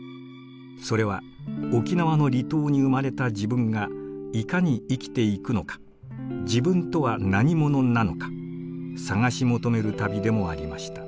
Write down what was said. それは沖縄の離島に生まれた自分がいかに生きていくのか自分とは何者なのか探し求める旅でもありました。